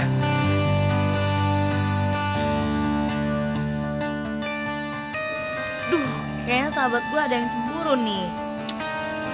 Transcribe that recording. duh kayaknya sahabat gue ada yang cemburu nih